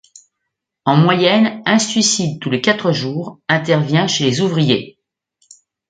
En moyenne, un suicide tous les quatre jours intervient chez les ouvriers.